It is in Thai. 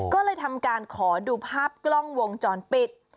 ก็เลยทำการขอดูภาพกล้องวงจรปิด